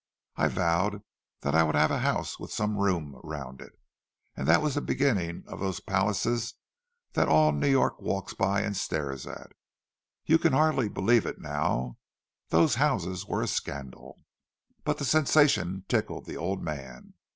I vowed that I would have a house with some room all around it—and that was the beginning of those palaces that all New York walks by and stares at. You can hardly believe it now—those houses were a scandal! But the sensation tickled the old man.